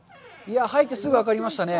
入ってすぐに分かりましたね。